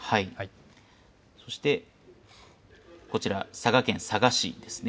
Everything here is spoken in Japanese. そしてこちら、佐賀県佐賀市ですね。